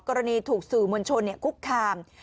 กรณีถูกสื่อมวลชนคุกคาม